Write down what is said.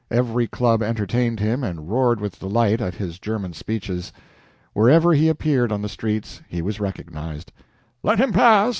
Every club entertained him and roared with delight at his German speeches. Wherever he appeared on the streets he was recognized. "Let him pass!